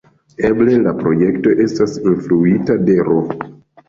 Eble la projekto estas influita de Ro.